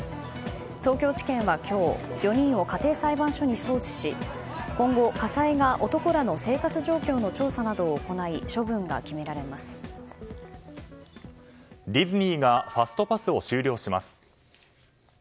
東京地検は今日４人を家庭裁判所に送致し今後、家裁が男らの生活状況の調査などを行いディズニーがファストパスを終了します。